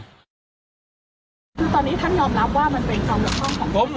คุณตอนนี้ท่านยอมรับว่ามันเป็นช่องหรือช่องของคุณเนี่ย